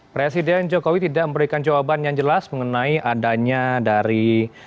presiden jokowi tidak memberikan jawaban yang jelas mengenai adanya dari